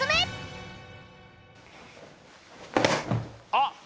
あっ！